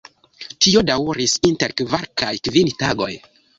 Tio daŭris inter kvar kaj kvin tagoj.